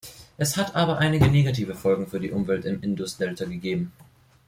Es hat aber einige negative Folgen für die Umwelt im Indus-Delta gegeben.